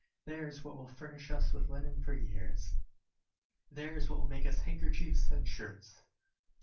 There is what will furnish us with linen for years. There is what will make us handkerchiefs and shirts!